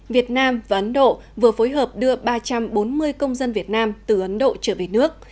việt nam và ấn độ vừa phối hợp đưa ba trăm bốn mươi công dân việt nam từ ấn độ trở về nước